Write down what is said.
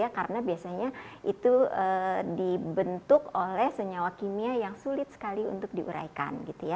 karena biasanya itu dibentuk oleh senyawa kimia yang sulit sekali untuk diuraikan